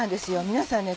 皆さん